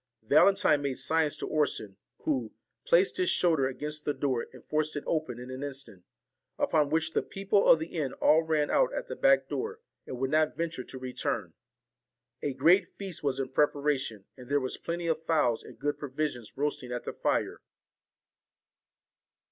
Valentine made signs to Orson, who placed his shoulder against the door, and forced it open in an instant ; upon which the people of the inn all ran out at the back door, and would not venture to return. A great feast was in preparation, and there were plenty of fowls and good provisions roasting at the fire.